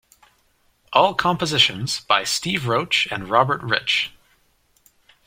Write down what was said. All compositions by Steve Roach and Robert Rich.